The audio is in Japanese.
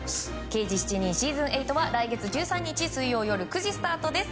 「刑事７人」シーズン８は来月１３日夜９時スタートです。